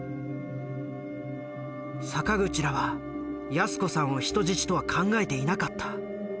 坂口らは泰子さんを人質とは考えていなかった。